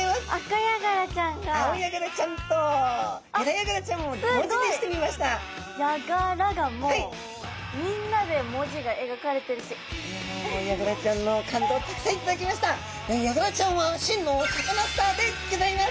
ヤガラちゃんは真のサカナスターでギョざいます。